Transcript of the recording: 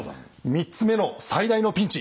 ３つ目の最大のピンチ。